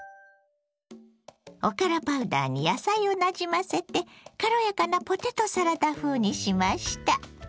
おからパウダーに野菜をなじませて軽やかなポテトサラダ風にしました。